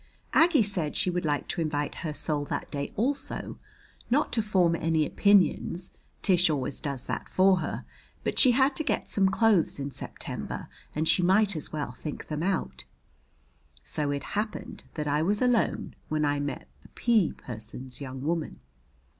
Aggie said she would like to invite her soul that day also, not to form any opinions, Tish always does that for her, but she had to get some clothes in September and she might as well think them out. So it happened that I was alone when I met the P person's young woman.